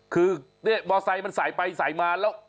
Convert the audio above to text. คือบอไซมันสายไปสายมาแล้ว